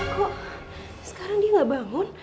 kok sekarang dia nggak bangun